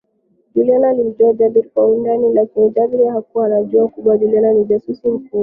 Juliana alimjua Jabir kwa undani lakini Jabir hakuwa anajua kuwa Juliana ni jasusi mkubwa